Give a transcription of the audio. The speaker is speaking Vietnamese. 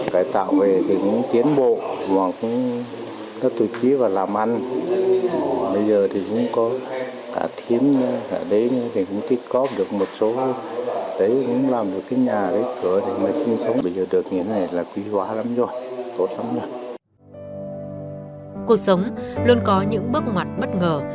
cuộc sống luôn có những bước ngoặt bất ngờ